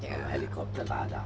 kalau helikopter tak ada